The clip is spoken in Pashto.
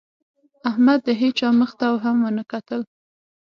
احمد د هېڅا مخ ته هم ونه کتل.